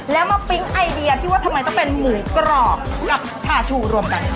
แล้วมาปิ๊งไอเดียที่ว่าทำไมต้องเป็นหมูกรอบกับชาชูรวมกัน